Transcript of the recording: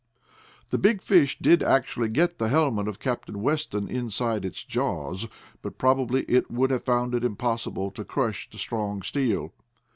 The big fish did actually get the helmet of Captain Weston inside its jaws, but probably it would have found it impossible to crush the strong steel.